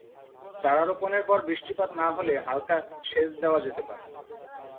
চারা রোপণের পর বৃষ্টিপাত না হলে হালকা সেচ দেওয়া যেতে পারে।